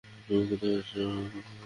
তুমি কোথায় আছো?